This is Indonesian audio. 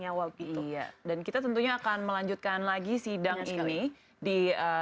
nyawa p tiga dan kita tentunya akan melanjutkan lagi sidang ini di